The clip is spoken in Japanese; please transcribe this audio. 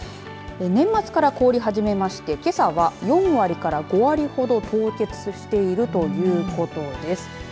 年末から凍り始めまして、けさは４割から５割ほど凍結しているということです。